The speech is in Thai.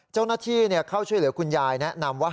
เจ้าหน้าที่เข้าช่วยเหลือคุณยายแนะนำว่า